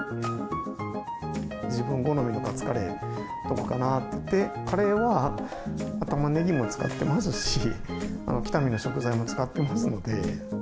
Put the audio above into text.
自分好みのカツカレーはどこかなっていって、カレーはタマネギも使ってますし、北見の食材も使ってますので。